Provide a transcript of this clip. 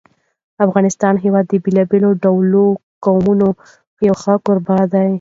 د افغانستان هېواد د بېلابېلو ډولو قومونو یو ښه کوربه دی.